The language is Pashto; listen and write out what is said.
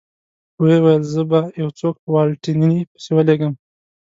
ویې ویل: زه به یو څوک په والنتیني پسې ولېږم.